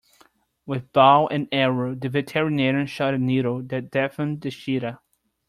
With bow and arrow the veterinarian shot a needle that deafened the cheetah.